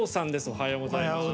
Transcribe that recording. おはようございます。